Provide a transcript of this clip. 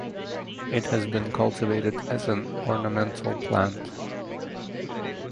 It has been cultivated as an ornamental plant.